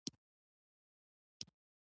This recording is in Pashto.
چې ولس د طالبانو په ضد راپاڅیږي